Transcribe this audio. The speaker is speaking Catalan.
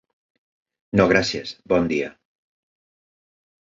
No gràcies, bon dia!